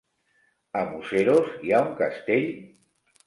A Museros hi ha un castell?